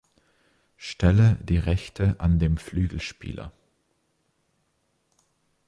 Stelle die Rechte an dem Flügelspieler.